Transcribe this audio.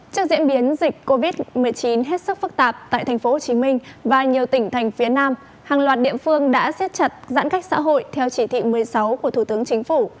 trước diễn biến dịch covid một mươi chín hết sức phức tạp tại tp hcm và nhiều tỉnh thành phía nam hàng loạt địa phương đã xét chặt giãn cách xã hội theo chỉ thị một mươi sáu của thủ tướng chính phủ